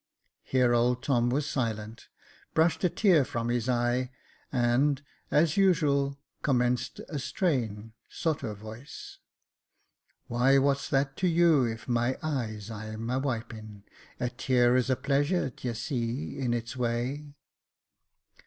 Here old Tom was silent, brushed a tear from his eye, and, as usual commenced a strain, sotto voce :" Why, what's that to you, if my eyes I'm a wiping ? A tear is a pleasure, d'ye see, in its way.